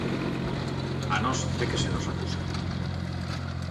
¿A nós de que se nos acusa?